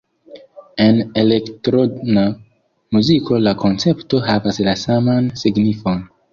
En elektrona muziko la koncepto havas la saman signifon.